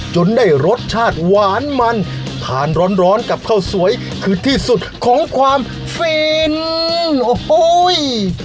จนได้รสชาติหวานมันทานร้อนร้อนกับข้าวสวยคือที่สุดของความฟินโอ้โห